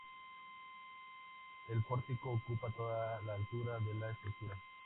El pórtico ocupa toda la altura de la estructura.